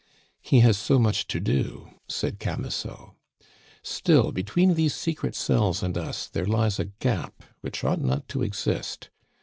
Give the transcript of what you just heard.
"He has so much to do," said Camusot. "Still, between these secret cells and us there lies a gap which ought not to exist.